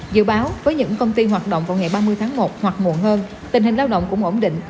dự báo với những công ty hoạt động vào ngày ba mươi tháng một hoặc muộn hơn tình hình lao động cũng ổn định